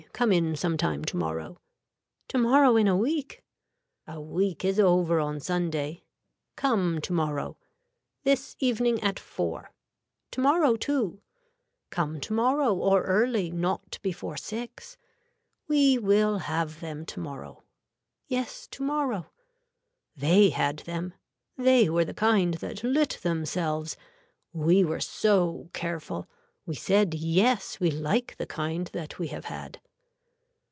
Come in some time tomorrow. Tomorrow in a week. A week is over on Sunday. Come tomorrow. This evening at four. Tomorrow too. Come tomorrow or early not before six. We will have them to morrow. Yes tomorrow. They had them. They were the kind that lit themselves. We were so careful. We said yes we like the kind that we have had.